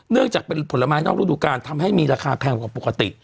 จากเป็นผลไม้นอกรูดูการทำให้มีราคาแพงกว่าปกติ